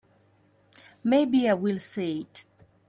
Maybe I will say it.